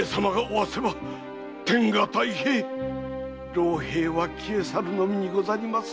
老兵は消え去るのみにござります。